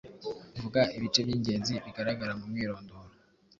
Vuga ibice by’ingenzi bigaragara mu mwirondoro.